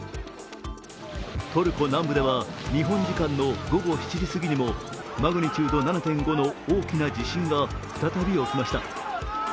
トルコ南部では日本時間の午後７時過ぎにもマグニチュード７．５の大きな地震が再び起きました。